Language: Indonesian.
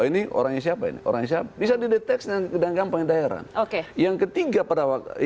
ini orangnya siapa ini orangnya siapa bisa dideteksi dan gampang daerah oke yang ketiga pada waktu